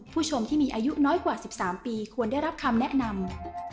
ผู้ชมที่มีอายุน้อยกว่า๑๓ปีควรได้รับคำแนะนำ